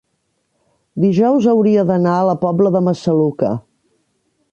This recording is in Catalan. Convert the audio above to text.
dijous hauria d'anar a la Pobla de Massaluca.